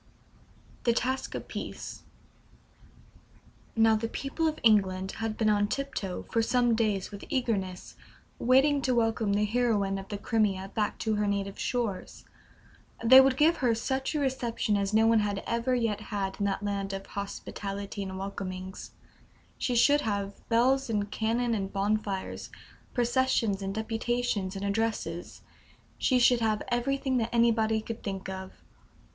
THE TASKS OF PEACE. Now, the people of England had been on tiptoe for some days with eagerness, waiting to welcome the heroine of the Crimea back to her native shores. They would give her such a reception as no one had ever yet had in that land of hospitality and welcomings. She should have bells and cannon and bonfires, processions and deputations and addresses she should have everything that anybody could think of.